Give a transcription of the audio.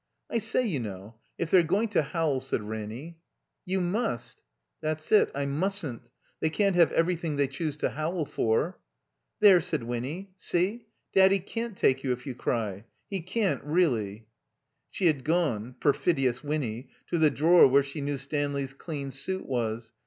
"I say, you know, if they're going to howl," said Ranny. ''Yon must—'* "That's it, I mustn't. They can't have every thing they choose to howl for." "There," said Winny. "See! Daddy can't take you if you cry. He can't, really." (She had gone — ^perfidious Winny! — ^to the drawer where she knew Stanley's dean suit was.